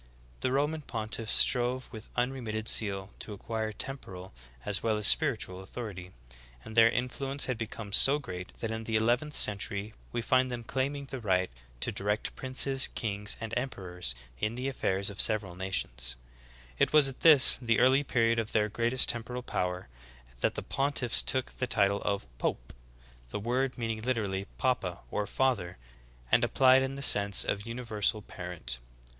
The Roman pontiffs strove with unremitting zeal to acquire temporal as well as spir itual authority ; and their influence had become so great that in the eleventh century we find them claiming the right to direct princes, kings, and emperors in the affairs of the sev eral nations. It was at this, the early period of their greatest temporal power, that the pontiffs took the title of Pope, the word meaning literally papa, or father, and applied in the sense of universal parent.